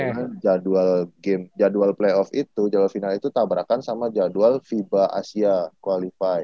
kebetulan jadwal game jadwal playoff itu jadwal final itu tabrakan sama jadwal fiba asia qualify